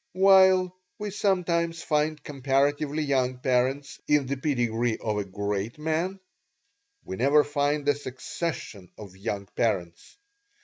While we sometimes find comparatively young parents in the pedigree of a great man, we never find a succession of young parents.